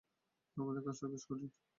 আমাদের কাজটা বেশ কঠিন।